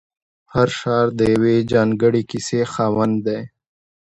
هر ښار د یوې ځانګړې کیسې خاوند دی.